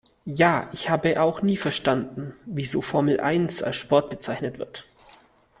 Ja, ich habe auch nie verstanden wieso Formel eins als Sport bezeichnet wird.